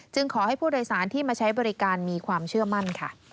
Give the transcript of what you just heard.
ขอให้ผู้โดยสารที่มาใช้บริการมีความเชื่อมั่นค่ะ